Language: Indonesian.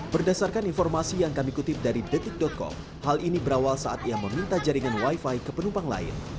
berdasarkan informasi yang kami kutip dari detik com hal ini berawal saat ia meminta jaringan wifi ke penumpang lain